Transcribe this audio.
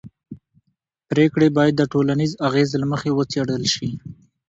پرېکړې باید د ټولنیز اغېز له مخې وڅېړل شي